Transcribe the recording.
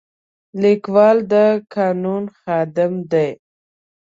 لیکوال د قانون خادم و.